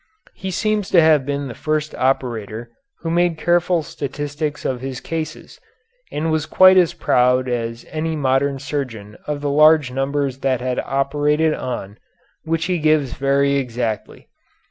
He seems to have been the first operator who made careful statistics of his cases, and was quite as proud as any modern surgeon of the large numbers that he had operated on, which he gives very exactly.